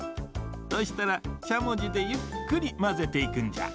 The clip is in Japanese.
そしたらしゃもじでゆっくりまぜていくんじゃ。